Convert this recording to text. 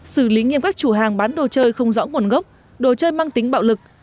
xử lý nghiêm các chủ hàng bán đồ chơi không rõ nguồn gốc đồ chơi mang tính bạo lực